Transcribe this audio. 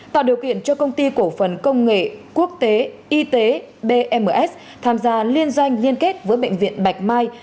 tạo điều kiện cho công ty cổ phần công nghệ quốc tế y tế bms tham gia liên doanh liên kết với bệnh viện bạch mai